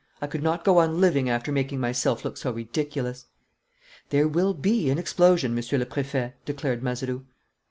I could not go on living after making myself look so ridiculous." "There will be an explosion, Monsieur le Préfet," declared Mazeroux.